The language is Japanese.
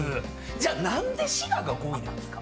じゃあ何で滋賀が５位ですか？